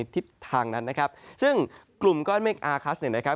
ทิศทางนั้นนะครับซึ่งกลุ่มก้อนเมฆอาคัสเนี่ยนะครับ